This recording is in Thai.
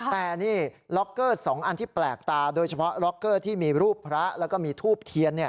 แต่นี่ล็อกเกอร์๒อันที่แปลกตาโดยเฉพาะล็อกเกอร์ที่มีรูปพระแล้วก็มีทูบเทียน